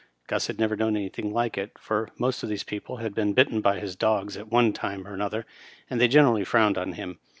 Gus had never known anything like it, for most of these people had been. bitten by his dogs at one time or another, and they generally frowned on him.